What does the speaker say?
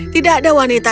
tidak ada wanita cantik